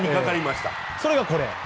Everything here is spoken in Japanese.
それがこれ。